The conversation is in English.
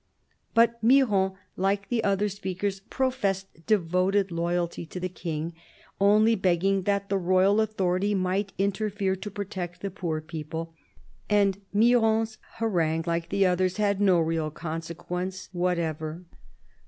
But Miron, like the other speakers, professed devoted loyalty to the King, only begging that the royal authority might interfere to protect the poor people. And Miron's harangue, like the others, had no real consequence what ever.